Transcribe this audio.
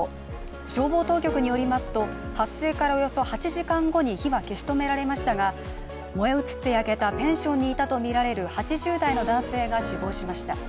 消防当局によりますと、発生からおよそ８時間後に火は消し止められましたが燃え移って焼けたペンションにいたとみられる８０代の男性が死亡しました。